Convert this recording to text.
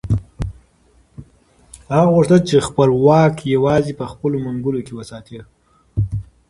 هغه غوښتل چې خپل واک یوازې په خپلو منګولو کې وساتي.